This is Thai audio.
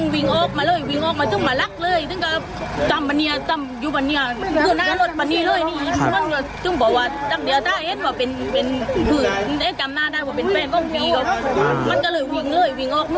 อ๋อวีดลันบาลเลย